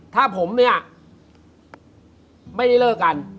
ถ้าผมไม่ได้เลิกกัน